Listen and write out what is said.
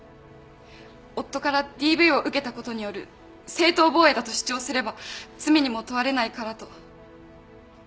夫からＤＶを受けたことによる正当防衛だと主張すれば罪にも問われないからと。